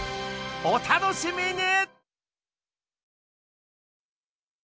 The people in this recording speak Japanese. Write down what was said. お楽しみに！